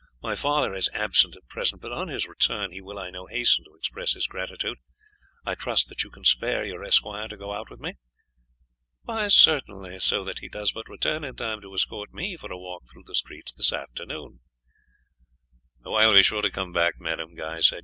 My father is absent at present, but on his return he will, I know, hasten to express his gratitude. I trust that you can spare your esquire to go out with me." "Certainly, so that he does but return in time to escort me for a walk through the streets this afternoon." "I will be sure to come back, madam," Guy said.